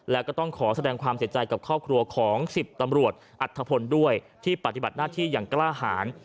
แล้วก็ต้องขอแสดงความเสียใจกับครอบครัวของ๑๐ตำรวจอัธพลด้วยที่ปฏิบัติหน้าที่อย่างกล้าหาร